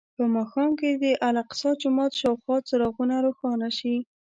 په ماښام کې د الاقصی جومات شاوخوا څراغونه روښانه شي.